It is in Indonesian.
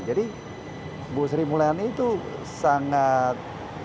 jadi bu sri mulyani itu sangat